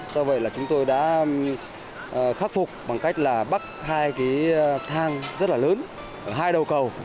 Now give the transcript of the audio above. do vậy chúng tôi đã khắc phục bằng cách bắt hai thang rất lớn ở hai đầu cầu